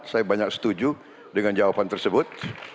saya banyak setuju dengan jawaban tersebut